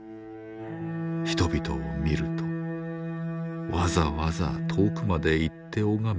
人々を見るとわざわざ遠くまで行って拝み語った。